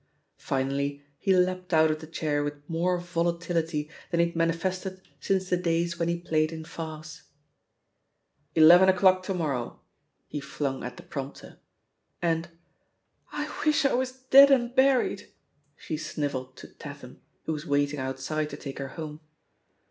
Finally he leapt out of the chair with more volatility than he had manifested since the days when he played in farce. "Eleven o'clock to morrow 1" he flung at the prompter. And, "I wish I was dead and buried 1" she «niv S64i CTHE POSITION OF PEGGY HARPER elled to TeXtiam, who was waiting outside to take her home.